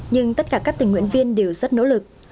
nhưng tất cả các tình nguyện viên đều rất nỗ lực